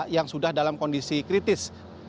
yang sudah dalam kondisi kritis